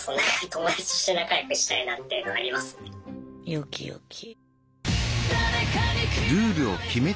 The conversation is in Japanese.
よきよき。